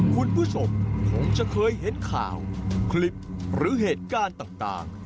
คุณผู้ชมคงจะเคยเห็นข่าวคลิปหรือเหตุการณ์ต่าง